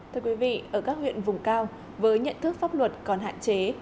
thưa quý vị ở các huyện vùng cao với nhận thức pháp luật còn hạn chế